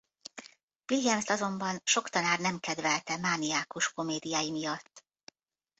Williamst azonban sok tanár nem kedvelte mániákus komédiái miatt.